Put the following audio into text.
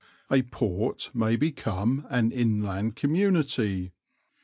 A port may become an inland community.